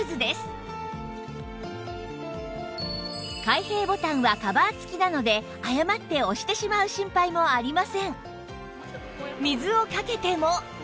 開閉ボタンはカバー付きなので誤って押してしまう心配もありません